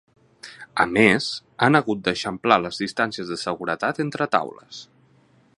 A més, han hagut d’eixamplar les distàncies de seguretat entre taules.